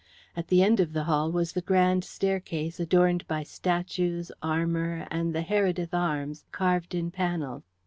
At the end of the hall was the grand staircase, adorned by statues, armour, and the Heredith arms carved in panels.